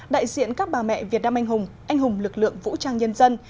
đại diện các bà mẹ việt nam anh hùng anh hùng lực lượng vũ trang nhân dân